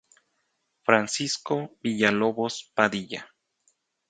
Francisco Villalobos Padilla.